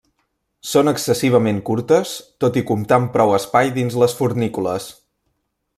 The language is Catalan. Són excessivament curtes, tot i comptar amb prou espai dins les fornícules.